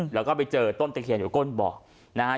แล้วก็ไปเจอต้นตะเคียนอยู่ก้นเบาะนะฮะ